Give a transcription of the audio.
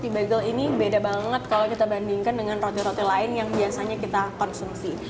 di bagel ini beda banget kalau kita bandingkan dengan roti roti lain yang biasanya kita konsumsi